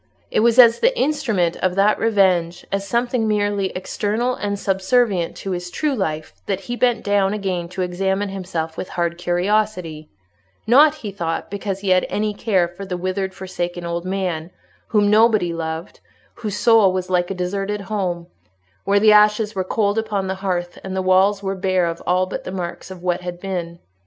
It was as the instrument of that revenge, as something merely external and subservient to his true life, that he bent down again to examine himself with hard curiosity—not, he thought, because he had any care for a withered, forsaken old man, whom nobody loved, whose soul was like a deserted home, where the ashes were cold upon the hearth, and the walls were bare of all but the marks of what had been.